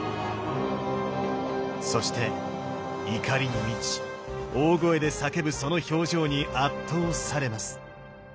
そして怒りに満ち大声で叫ぶその表情に圧倒されます。